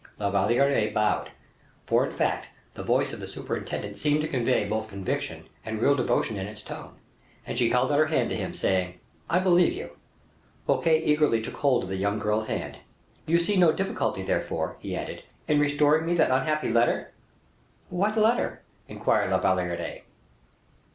La Valliere bowed, for, in fact, the voice of the superintendent seemed to convey both conviction and real devotion in its tone, and she held out her hand to him, saying, "I believe you." Fouquet eagerly took hold of the young girl's hand. "You see no difficulty, therefore," he added, "in restoring me that unhappy letter." "What letter?" inquired La Valliere.